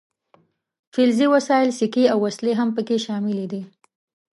فلزي وسایل سیکې او وسلې هم پکې شاملې دي.